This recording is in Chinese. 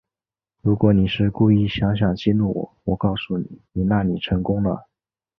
如果你是故意想想激怒我，我告诉你，那你成功了